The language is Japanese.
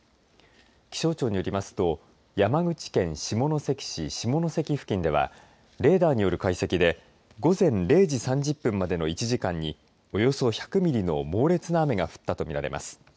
気象庁によりますと山口県下関市下関付近ではレーダーによる解析で午前０時３０分までの１時間におよそ１００ミリの猛烈な雨が降ったと見られます。